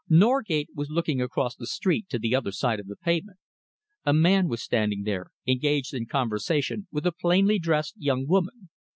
Norgate was looking across the street to the other side of the pavement. A man was standing there, engaged in conversation with a plainly dressed young woman.